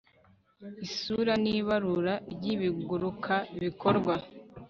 isura n ibarura ry ibiguruka bikorwa